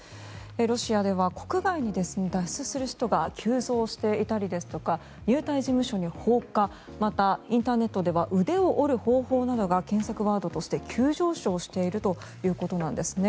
ロシアでは国外に脱出する人が急増していたりですとか入隊事務所に放火また、インターネットでは「腕を自宅で折る方法」などが検索ワードとして急上昇しているということなんです。